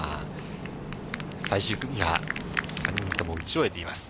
最終組が３人とも打ち終えています。